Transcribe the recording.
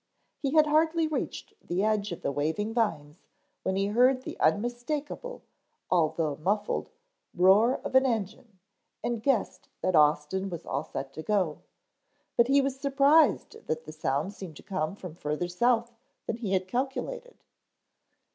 He had hardly reached the edge of the waving vines when he heard the unmistakable, although muffled roar of an engine and guessed that Austin was all set to go, but he was surprised that the sound seemed to come from further south than he had calculated.